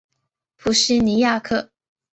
普西尼亚克。